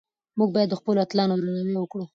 موږ باید د خپلو اتلانو درناوی وکړو.